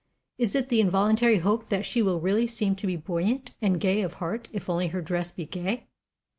Is it the involuntary hope that she will really seem to be buoyant and gay of heart if only her dress be gay?